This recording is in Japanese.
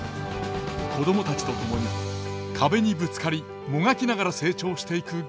子供たちと共に壁にぶつかりもがきながら成長していく学園ドラマ。